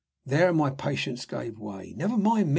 There my patience gave way. "Never mind me!"